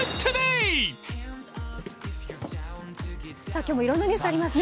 今日もいろんなニュースがありますね。